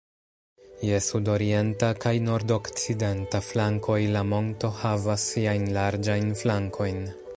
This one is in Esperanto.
Je sudorienta kaj nordokcidenta flankoj la monto havas siajn larĝajn flankojn.